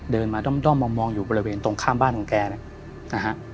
เดินมาด้อมมองอยู่บริเวณตรงข้ามบ้านของแกนะฮะ